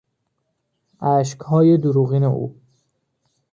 اشکهای دروغین او